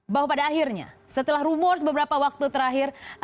bahwa pada akhirnya setelah rumor beberapa waktu terakhir